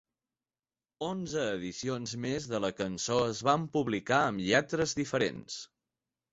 Onze edicions més de la cançó es van publicar amb lletres diferents.